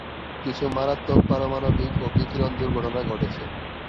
কিছু মারাত্মক পারমাণবিক ও বিকিরণ দুর্ঘটনা ঘটেছে।